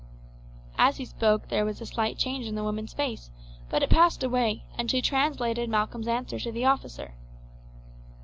As he spoke there was a slight change in the woman's face; but it passed away, and she translated Malcolm's answer to the officer.